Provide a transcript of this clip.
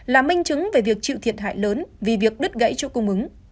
là minh chứng về việc chịu thiện hại lớn vì việc đứt gãy chủ cung ứng